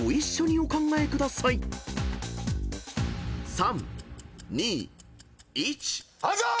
３２１。